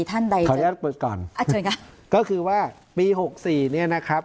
ท่านใดขออนุญาตเปิดก่อนอ่ะเชิญค่ะก็คือว่าปีหกสี่เนี้ยนะครับ